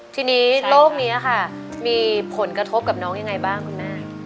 ทีนี้โรคนี้ค่ะมีผลกระทบกับน้องยังไงบ้างคุณแม่